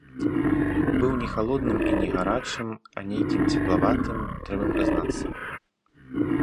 Быў не халодным і не гарачым, а нейкім цеплаватым, трэба прызнацца.